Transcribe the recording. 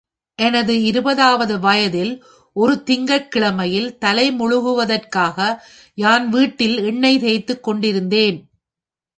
எனது இருபதாவது வயதில் ஒரு திங்கள் கிழமையில் தலை முழுகுவதற்காக யான்வீட்டில் எண்ணெய் தேய்த்துக் கொண்டிருந்தேன்.